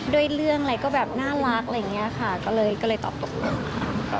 ด้วยเรื่องอะไรก็แบบน่ารักอะไรอย่างนี้ค่ะก็เลยตอบตกลงค่ะ